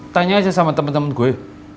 tanya aja sama temen temen gue